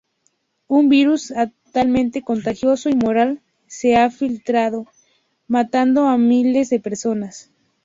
Un virus altamente contagioso y mortal se ha filtrado, matando a miles de personas.